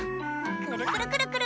くるくるくるくる！